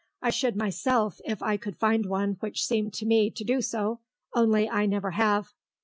I should myself, if I could find one which seemed to me to do so, only I never have....